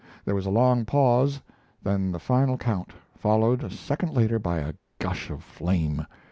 There was a long pause, then the final count, followed a second later by a gush of flame.